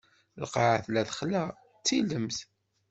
Lqaɛa tella texla, d tilemt.